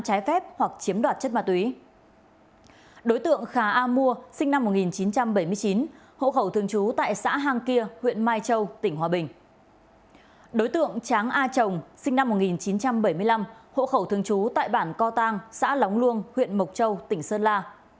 a trồng sinh năm một nghìn chín trăm bảy mươi năm hộ khẩu thường trú tại bản co tang xã lóng luông huyện mộc châu tỉnh sơn la